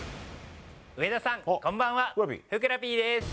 上田さん、こんばんは。